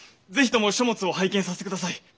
是非とも書物を拝見させてください。